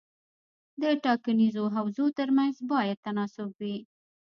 د ټاکنیزو حوزو ترمنځ باید تناسب وي.